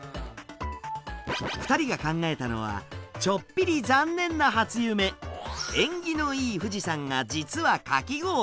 ２人が考えたのはちょっぴり縁起のいい富士山が実はかき氷。